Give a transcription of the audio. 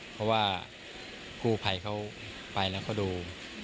เพราะว่ากู้ภัยเขาไปแล้วเขาดู